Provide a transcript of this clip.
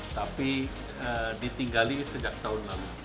tapi ditinggali sejak tahun lalu